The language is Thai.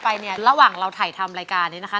แล้วหวังเราถ่ายทำรายการนี้นะคะ